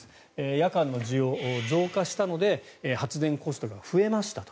夜間の需要、増加したので発電コストが増えましたと。